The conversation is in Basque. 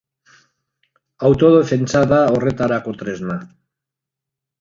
Autodefentsa da horretarako tresna.